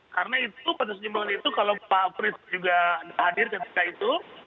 karena itu batas jumlah itu kalau pak pris juga hadir ketika itu